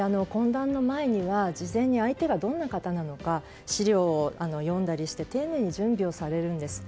懇談の前には事前に相手がどんな方か資料を読んだりして丁寧に準備をされるんです。